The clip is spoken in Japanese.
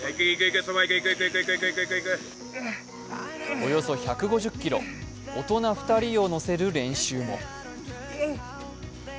およそ１５０ｋｇ、大人２人を乗せる練習も。